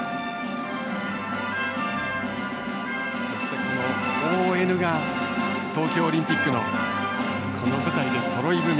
そしてＯＮが東京オリンピックのこの舞台で、そろい踏み。